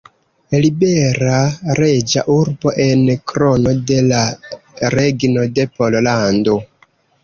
Libera reĝa urbo en Krono de la Regno de Pollando.